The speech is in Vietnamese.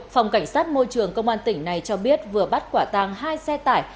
phòng cảnh sát môi trường công an tỉnh này cho biết vừa bắt quả tàng hai xe tải